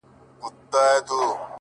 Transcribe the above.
څه مسافره یمه خير دی ته مي ياد يې خو ـ